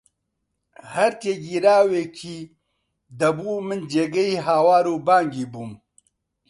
هەر تێگیراوییەکی دەبوو من جێگەی هاوار و بانگی بووم